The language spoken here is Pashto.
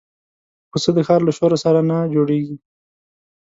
پسه د ښار له شور سره نه جوړيږي.